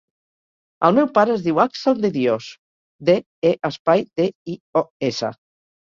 El meu pare es diu Àxel De Dios: de, e, espai, de, i, o, essa.